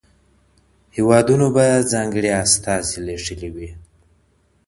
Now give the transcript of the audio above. هیوادونو به ځانګړي استازي لیږلي وي.